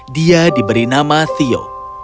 dia diberi nama theo